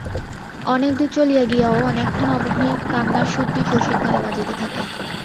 অনেকদূর চলিয়া গিয়াও অনেকক্ষণ অবধি কান্নার সুরটি শশীর কানে বাজিতে থাকে।